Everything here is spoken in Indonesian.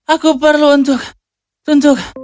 aku perlu untuk